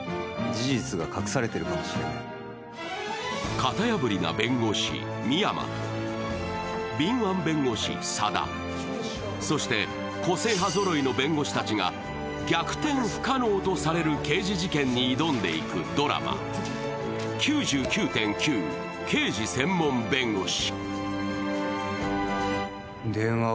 型破りな弁護士・深山と敏腕弁護士・佐田、そして個性派ぞろいの弁護士たちが逆転不可能とされる刑事事件に挑んでいくドラマ、「９９．９−刑事専門弁護士−」。